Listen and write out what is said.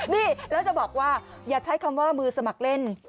นี่แล้วจะบอกว่าอย่าใช้คำว่ามือสมัครเล่น